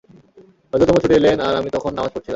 হযরত উমর ছুটে এলেন আর আমি তখন নামায পড়ছিলাম।